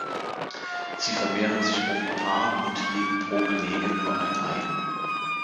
Sie vermehren sich ovipar und legen pro Gelege nur ein Ei.